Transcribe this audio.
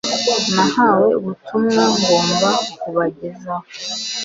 Nahawe ubutumwa ngomba kubagezaho